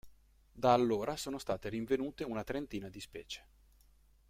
Da allora sono state rinvenute una trentina di specie.